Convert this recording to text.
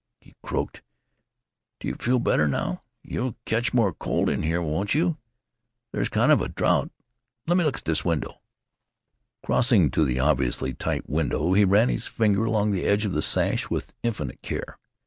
He croaked: "Do you feel better, now? You'll catch more cold in here, won't you? There's kind of a draught. Lemme look at this window." Crossing to the obviously tight window, he ran his finger along the edge of the sash with infinite care.